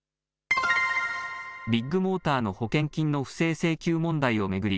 ビッグモーターの保険金の不正請求問題を巡り